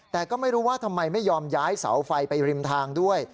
แต่ก็ไม่รู้ว่าทำไมไม่ยอมย้ายเสาไฟไปริมทางด้วย